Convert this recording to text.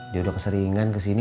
dia udah keseringan kesini